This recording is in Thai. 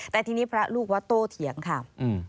แต่ทีนี้พระลูกวัดโตเถียงค่ะ